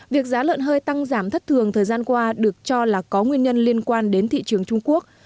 việc giá lợn hơi tăng giảm thất thường thời gian qua được cho là có nguyên nhân liên quan đến thị trường trung quốc